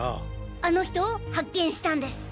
あの人を発見したんです！